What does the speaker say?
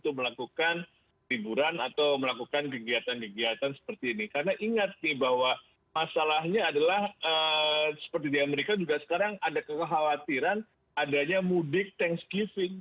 karena ingat nih bahwa masalahnya adalah seperti di amerika juga sekarang ada kekhawatiran adanya mudik thanksgiving